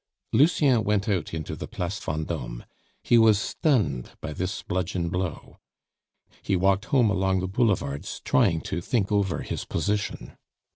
Lucien went out into the Place Vendome; he was stunned by this bludgeon blow. He walked home along the Boulevards trying to think over his position.